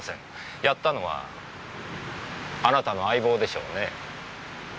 やったのはあなたの相棒でしょうね。